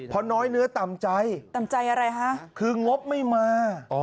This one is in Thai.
เพราะน้อยเนื้อต่ำใจต่ำใจอะไรฮะคืองบไม่มา